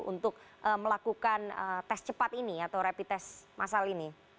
untuk melakukan tes cepat ini atau rapid test masal ini